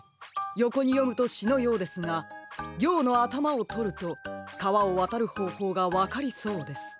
よこによむとしのようですがぎょうのあたまをとるとかわをわたるほうほうがわかりそうです。